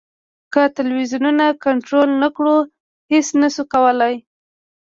که ټلویزیونونه کنټرول نه کړو هېڅ نه شو کولای.